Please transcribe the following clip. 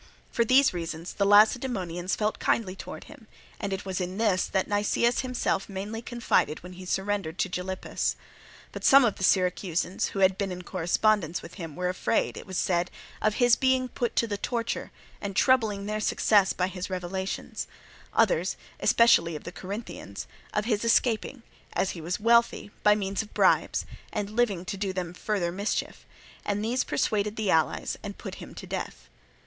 For these reasons the Lacedaemonians felt kindly towards him; and it was in this that Nicias himself mainly confided when he surrendered to Gylippus. But some of the Syracusans who had been in correspondence with him were afraid, it was said, of his being put to the torture and troubling their success by his revelations; others, especially the Corinthians, of his escaping, as he was wealthy, by means of bribes, and living to do them further mischief; and these persuaded the allies and put him to death.